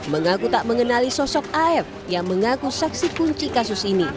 mengaku tak mengenali sosok af yang mengaku saksi kunci kasus ini